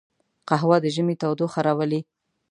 قهوه د ژمي تودوخه راولي